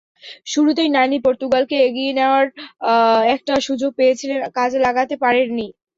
শুরুতেই নানি পর্তুগালকে এগিয়ে নেওয়ার একটা সুযোগ পেয়েছিলেন, কাজে লাগাতে পারেননি।